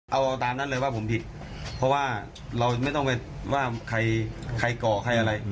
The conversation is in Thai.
เอาตามนั้นเลยว่าผมผิดเพราะว่าเราไม่ต้องไปว่าใครก่อใครอะไร